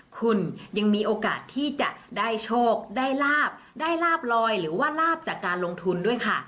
คุณยังมีโอกาสที่จะได้โชคได้ลาบได้ลาบลอยหรือว่าลาบจากการลงทุนด้วยค่ะ